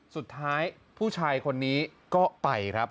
สุดท้ายผู้ชายคนนี้ก็ไปครับ